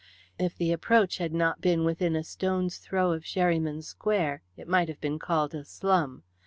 If the Approach had not been within a stone's throw of Sherryman Square it might have been called a slum.